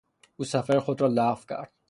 او سفر خود را لغو کرد.